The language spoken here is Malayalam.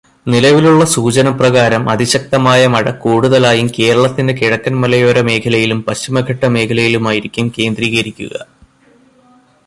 നിലവിലുള്ള സൂചനപ്രകാരം അതിശക്തമായ മഴ കൂടുതലായും കേരളത്തിന്റെ കിഴക്കൻ മലയോരമേഖലയിലും പശ്ചിമഘട്ടമേഖലയിലുമായിരിക്കും കേന്ദ്രീകരിക്കുക.